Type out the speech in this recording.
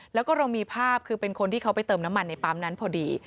แล้วก็เรามีภาพคือเป็นคนที่เขาไปเติมน้ำมันในปั๊มนั้นพอดี